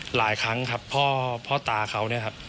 หลายครั้งครับพ่อตาเขาเนี่ยครับ